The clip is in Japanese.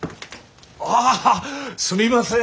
ああすみません。